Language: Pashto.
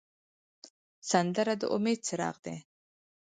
سندره د امید څراغ دی